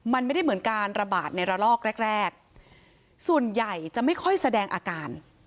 มันไม่ได้เหมือนการระบาดในระลอกแรกแรกส่วนใหญ่จะไม่ค่อยแสดงอาการ